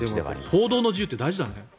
報道の自由って大事だね。